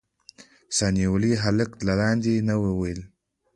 سا نيولي هلک له لاندې نه وويل.